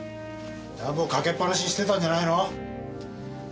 暖房かけっぱなしにしてたんじゃないの？